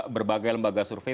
berbagai lembaga survei